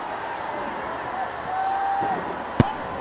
ประธานหการค้าอินเดียไทย